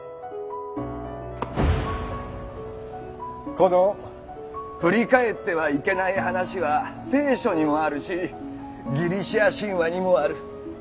この「振り返ってはいけない」話は聖書にもあるしギリシア神話にもある。